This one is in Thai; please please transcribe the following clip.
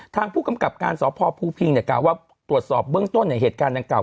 ทางผู้กำกับการสพภูพิงกล่าวว่าตรวจสอบเบื้องต้นในเหตุการณ์ดังกล่า